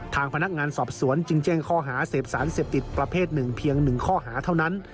ทางพนักงานสอบสวนจึงแจ้งข้อหาเสพสารเสพติดประเภทหนึ่งเพียง๑ข้อหาเท่านั้น